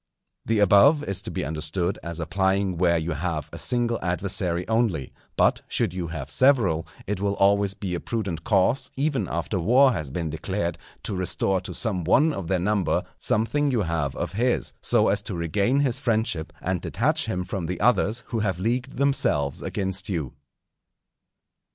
The above is to be understood as applying where you have a single adversary only; but should you have several, it will always be a prudent course, even after war has been declared, to restore to some one of their number something you have of his, so as to regain his friendship and detach him from the others who have leagued themselves against you.